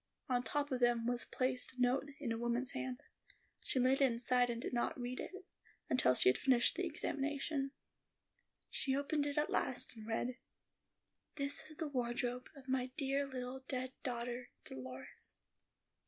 On top of them was placed a note in a woman's hand. She laid it aside and did not read it, until she had finished the examination. She opened it at last, and read, "This is the wardrobe of my dear little dead daughter Dolores."